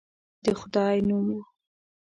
د خدای نوم وو.